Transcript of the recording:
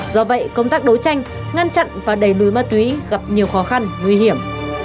do vậy công tác đấu tranh ngăn chặn và đẩy lùi ma túy gặp nhiều khó khăn nguy hiểm